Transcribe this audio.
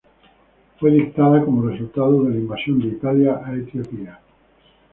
Fue dictada como resultado de la invasión de Italia a Etiopía.